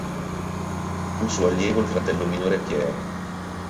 Fu suo allievo il fratello minore Pierre.